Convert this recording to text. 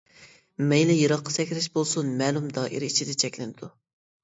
مەيلى يىراققا سەكرەش بولسۇن مەلۇم دائىرە ئىچىدە چەكلىنىدۇ.